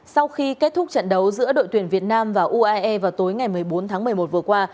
sau khi kết thúc trận đấu giữa đội tuyển việt nam và uae vào tối ngày một mươi bốn tháng một mươi một vừa qua